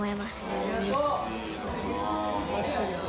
ありがとう。